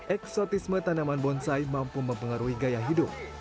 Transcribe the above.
eksotisme tanaman bonsai mampu mempengaruhi gaya hidup